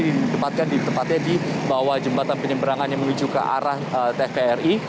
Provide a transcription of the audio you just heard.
di tempatnya di bawah jembatan penyeberangannya menuju ke arah tvri